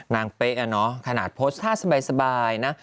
นางเปคน์น่านะขนาดโพสเท่าสบายนะ